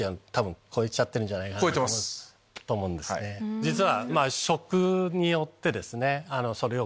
実は。